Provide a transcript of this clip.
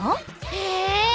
へえ。